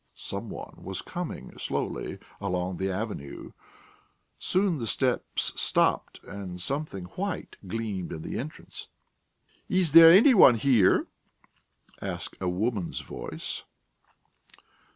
Some one was coming slowly along the avenue. Soon the steps stopped and something white gleamed in the entrance. "Is there any one here?" asked a woman's voice.